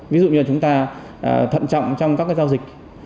ví dụ như chúng ta thận trọng trong các giao dịch